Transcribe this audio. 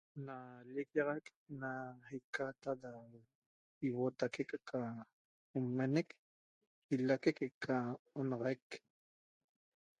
na llicquiaxac na iqataa da huotaique que eca nmenec ilaique que eca onaxaic.